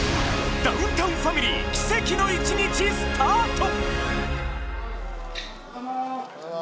ダウンタウンファミリー奇跡の一日スタート！